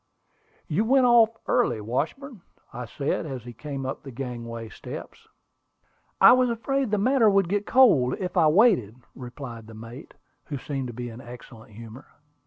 "You went off early, Washburn," I said, as he came up the gangway steps. "I was afraid the matter would get cold if I waited," replied the mate, who seemed to be in excellent humor.